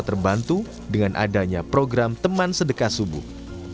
terbantu dengan adanya program teman sedekah subuh